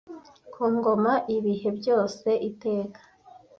ku ngoma ibihe byose iteka